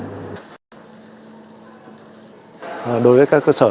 đối với các cơ sở